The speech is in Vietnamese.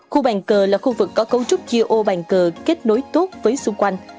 khu bàn cờ là khu vực có cấu trúc chia ô bàn cờ kết nối tốt với xung quanh